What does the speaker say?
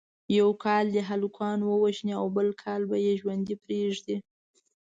یو کال دې هلکان ووژني او بل کال به یې ژوندي پریږدي.